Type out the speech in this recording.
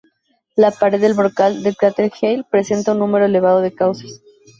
La pared del brocal del cráter Hale presenta un número elevado de cauces.